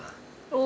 お。